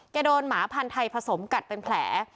แกโดนหมาพันธัยผสมกัดเป็นแผล